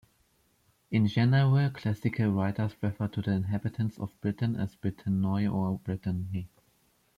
In general, classical writers referred to the inhabitants of Britain as Pretannoi or Britanni.